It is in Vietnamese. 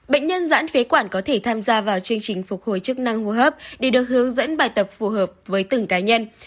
bệnh nhân giãn phế quản có thể tham gia vào chương trình phục hồi chức năng hô hấp để được hướng dẫn bài tập phù hợp với từng cá nhân